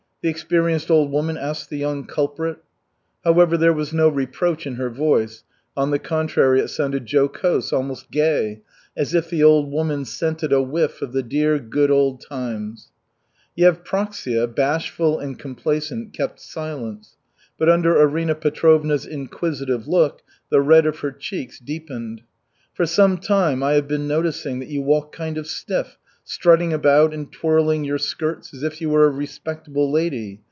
the experienced old woman asked the young culprit. However, there was no reproach in her voice, on the contrary, it sounded jocose, almost gay, as if the old woman scented a whiff of the dear, good, old times. Yevpraksia, bashful and complacent, kept silence, but under Arina Petrovna's inquisitive look, the red of her cheeks deepened. "For some time I have been noticing that you walk kind of stiff, strutting about and twirling your skirts as if you were a respectable lady!